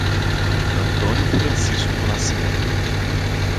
Antônio Francisco do Nascimento